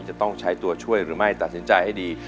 จะต้องใช้ตัวช่วยหรือไม่ตัดสินใจให้ดี